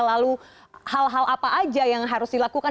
lalu hal hal apa aja yang harus dilakukan